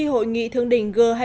hội nghị thương đỉnh g hai mươi